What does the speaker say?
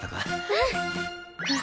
うん！